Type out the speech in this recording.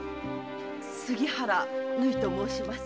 杉原縫と申します。